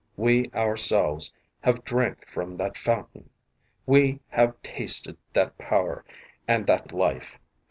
We ourselves have drank from that Fountain. We have .tasted that power and that life.